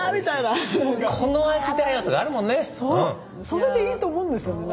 それでいいと思うんですよね。